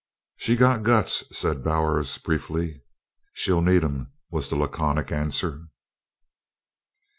"She's got guts," said Bowers briefly. "She'll need 'em," was the laconic answer.